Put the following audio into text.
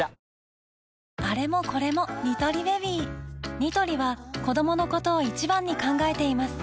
ニトリは子どものことを一番に考えています